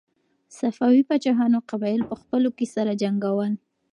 صفوي پاچاهانو قبایل په خپلو کې سره جنګول.